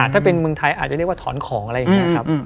ถ้าเป็นเมืองไทยอาจจะเรียกว่าถอนของอะไรอย่างนี้ครับ